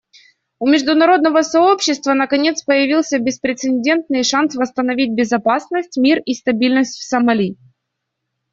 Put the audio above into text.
У международного сообщества, наконец, появился беспрецедентный шанс восстановить безопасность, мир и стабильность в Сомали.